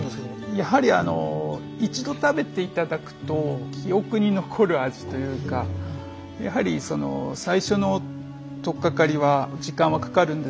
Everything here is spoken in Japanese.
やはりあの一度食べていただくと記憶に残る味というかやはり最初の取っかかりは時間はかかるんですけど